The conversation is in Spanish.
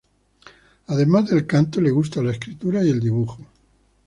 Además del canto le gusta la escritura y el dibujo.